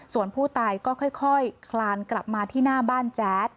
ส่วนผู้ตายก็ค่อยคลานกลับมาที่หน้าบ้านแจ๊ด